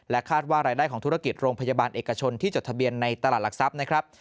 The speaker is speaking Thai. คาดว่ารายได้ของธุรกิจโรงพยาบาลเอกชนที่จดทะเบียนในตลาดหลักทรัพย์นะครับ